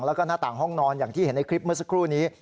แล้วก็หน้าต่างห้องนอนอย่างที่เห็นในคลิปเมื่อสักครู่นี้